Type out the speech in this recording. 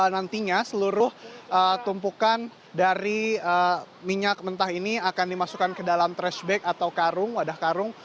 nantinya seluruh tumpukan dari minyak mentah ini akan dimasukkan ke dalam trashback atau karung wadah karung